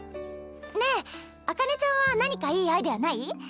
ねえ紅葉ちゃんは何かいいアイデアない？